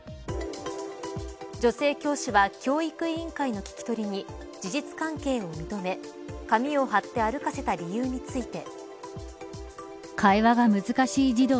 女性教師は教育委員会の聞き取りに事実関係を認め紙を貼って歩かせた理由について。